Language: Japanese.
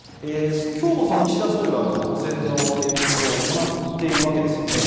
今日も岸田総理は補選の演説を行っているわけですよね。